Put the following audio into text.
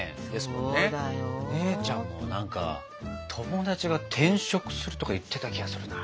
姉ちゃんも何か友達が転職するとか言ってた気がするな。